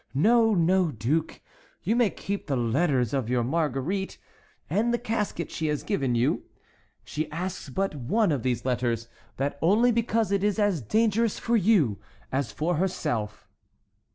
No, no, duke; you may keep the letters of your Marguerite, and the casket she has given you. She asks but one of these letters, and that only because it is as dangerous for you as for herself."